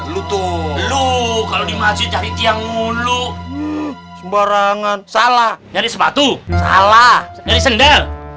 lu tuh lu kalau di masjid cari tiang mulu sembarangan salah nyari sepatu salah nyari sendel